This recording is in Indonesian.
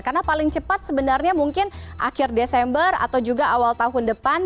karena paling cepat sebenarnya mungkin akhir desember atau juga awal tahun depan